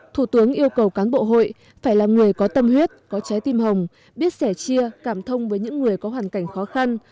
thủ tướng yêu cầu cán bộ hội phải là người có tâm huyết có trái tim hồng biết sẻ chia cảm thông với những người có hoàn cảnh khó khăn